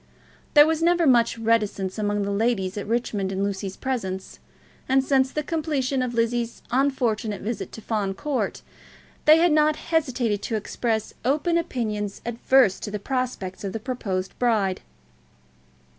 There was never much reticence among the ladies at Richmond in Lucy's presence, and since the completion of Lizzie's unfortunate visit to Fawn Court, they had not hesitated to express open opinions adverse to the prospects of the proposed bride.